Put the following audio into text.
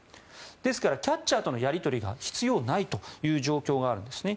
ですからキャッチャーとのやり取りが必要ないという状況があるんですね。